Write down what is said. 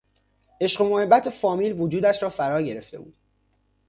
عشق و محبت فامیل وجودش را فرا گرفته بود.